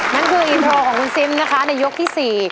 นั่นคืออินโทรของคุณซิมนะคะในยกที่๔